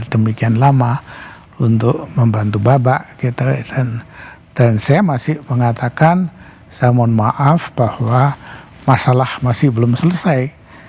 demikian lama untuk membantu babak dan saya masih mengatakan saya mohon maaf bahwa masalah masih belum selesai